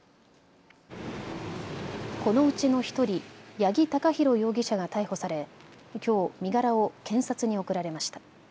このうちの１人、八木貴寛容疑者が逮捕されきょう身柄を検察に送られました。